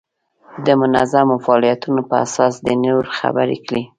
د منظمو فعالیتونو په اساس دې نور خبر کړي.